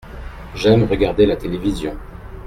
J’aime regarder la télévision.